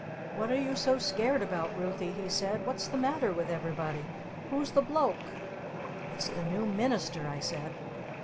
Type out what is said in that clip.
"What you so scared about, Ruthy?" he said. "What's the matter with everybody? Who's the Bloke?" "It's the New Minister," I said.